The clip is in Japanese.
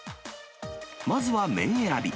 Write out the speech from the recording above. まずは麺選び。